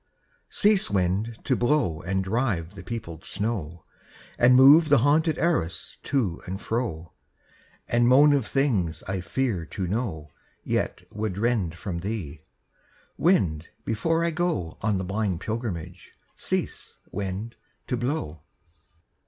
Cease, Wind, to blow And drive the peopled snow, And move the haunted arras to and fro, And moan of things I fear to know Yet would rend from thee, Wind, before I go On the blind pilgrimage. Cease, Wind, to blow.